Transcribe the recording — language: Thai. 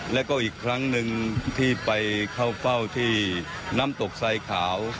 แล้วก็อีกครั้งหนึ่งที่ไปเข้าเฝ้าที่น้ำตกไซขาว